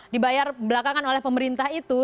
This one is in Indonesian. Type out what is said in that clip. dibayar belakangan oleh pemerintah itu